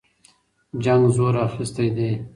جنګ زور اخیستی دی.